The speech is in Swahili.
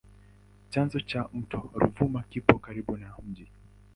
Chanzo cha mto Ruvuma kipo karibu na mji.